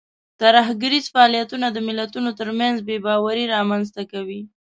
ترهګریز فعالیتونه د ملتونو ترمنځ بې باوري رامنځته کوي.